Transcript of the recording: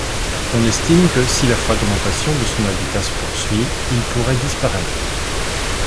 On estime que si la fragmentation de son habitat se poursuit, il pourrait disparaître.